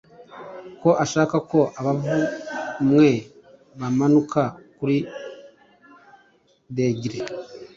ko ashaka ko abavumwe bamanuka kuri degere